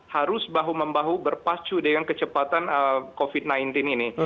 harus bahu membahu berpacu dengan kecepatan covid sembilan belas ini